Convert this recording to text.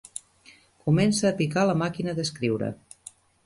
Comença a picar la màquina d'escriure.